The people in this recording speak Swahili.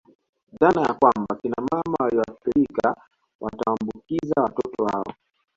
Dhana ya kwamba Kina mama walioathirika watawaambukiza watoto wao